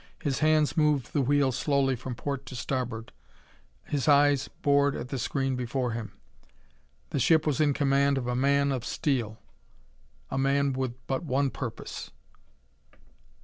His hands moved the wheel slowly from port to starboard; his eyes bored at the screen before him. The ship was in command of a man of steel, a man with but one purpose....